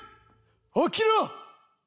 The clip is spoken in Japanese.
起きろ！